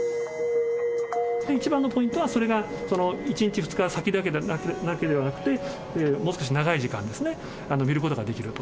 一番のポイントは、それが１日、２日先だけではなくて、もう少し長い時間ですね、見ることができると。